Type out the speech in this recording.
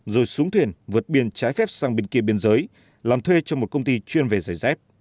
rồi xuống thuyền vượt biên trái phép sang bên kia biên giới làm thuê cho một công ty chuyên về giày dép